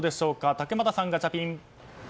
竹俣さん、ガチャピン。